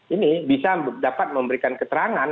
ini bisa dapat memberikan keterangan